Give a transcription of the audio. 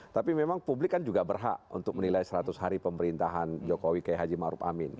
tapi memang publik kan juga berhak untuk menilai seratus hari pemerintahan jokowi k h maruf amin